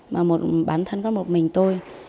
mà bản thân có một mình tôi